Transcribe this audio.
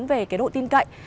về cái độ tin cậy